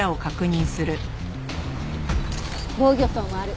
防御創もある。